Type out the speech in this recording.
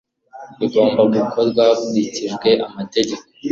bigomba gukorwa hakurikijwe amategeko